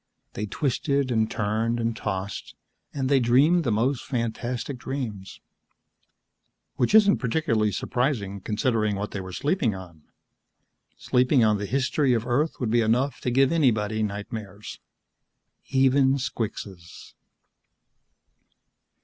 They twisted and turned and tossed, and they dreamed the most fantastic dreams Which isn't particularly surprising, considering what they were sleeping on. Sleeping on the history of Earth would be enough to give anybody nightmares. Even squixes.